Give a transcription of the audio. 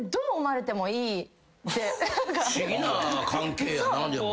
不思議な関係やな。